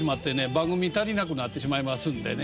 番組足りなくなってしまいますんでね。